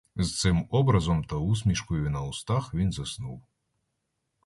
З цим образом та усмішкою на устах він заснув.